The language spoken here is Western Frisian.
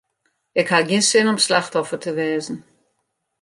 Ik haw gjin sin om slachtoffer te wêze.